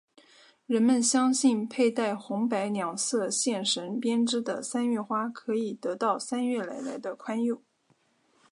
人们相信佩戴红白两色线绳编织的三月花可以得到三月奶奶的宽宥。